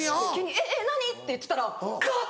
えっえっ何？って言ってたらガッ！